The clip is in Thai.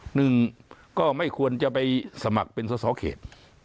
หนึ่งก็ไม่ควรจะไปสมัครเป็นสอสอเขต